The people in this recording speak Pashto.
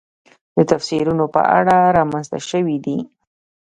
د تفسیرونو په اړه رامنځته شوې دي.